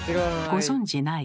ご存じない？